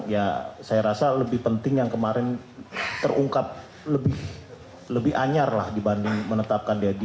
ya saya rasa lebih penting yang kemarin terungkap lebih anyar lah dibanding menetapkan deddy